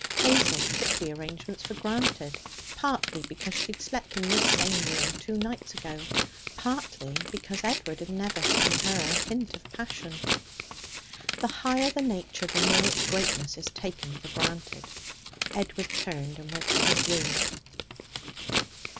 Hazel took the arrangements for granted, partly because she had slept in this same room two nights ago, partly because Edward had never shown her a hint of passion. The higher the nature, the more its greatness is taken for granted. Edward turned and went to his room.